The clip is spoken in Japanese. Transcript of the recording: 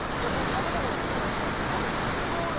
食べたことないの？